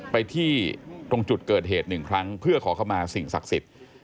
ไปที่ตรงจุดเกิดเหตุหนึ่งครั้งเพื่อขอเข้ามาสิ่งศักดิ์สิทธิ์